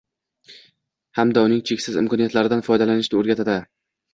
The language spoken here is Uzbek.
Hamda uning cheksiz imkoniyatlaridan foydalanishni oʻrgatadi